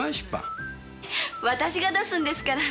私が出すんですから。